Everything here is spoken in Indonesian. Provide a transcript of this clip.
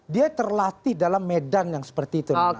dia terlatih dalam medan yang seperti itu